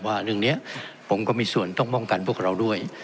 ว่าเรื่องนี้ผมก็มีส่วนต้องป้องกันพวกเราด้วย